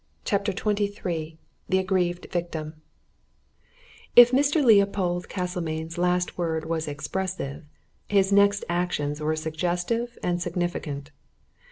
CHAPTER XXIII THE AGGRIEVED VICTIM If Mr. Leopold Castlemayne's last word was expressive, his next actions were suggestive and significant.